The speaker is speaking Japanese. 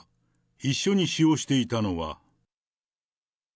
一緒に使用していたのは。